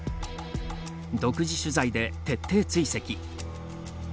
独自取材で徹底追跡。